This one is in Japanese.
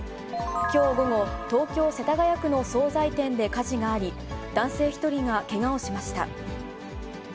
きょう午後、東京・世田谷区の総菜店で火事があり、男性１人がけがをしました。